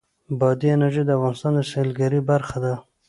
بادي انرژي د افغانستان د سیلګرۍ برخه ده.